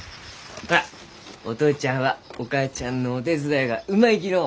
ほらお父ちゃんはお母ちゃんのお手伝いがうまいきのう。